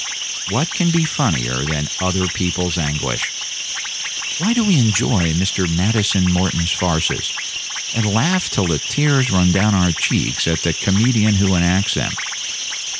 What can be funnier than other people's anguish? Why do we enjoy Mr. Maddison Morton's farces, and laugh till the tears run down our cheeks at the comedian who enacts them?